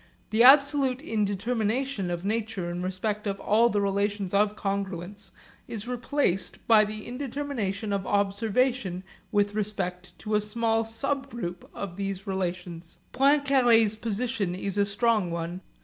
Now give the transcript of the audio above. The absolute indetermination of nature in respect of all the relations of congruence is replaced by the indetermination of observation with respect to a small subgroup of these relations. Poincaré's position is a strong one.